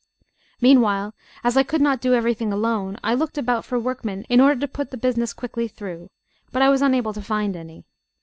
Meanwhile, as I could not do everything alone, I looked about for workmen in order to put the business quickly through; but I was unable to find any.